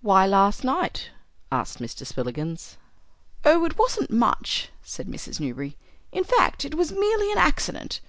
"Why last night?" asked Mr. Spillikins. "Oh, it wasn't much," said Mrs. Newberry. "In fact, it was merely an accident.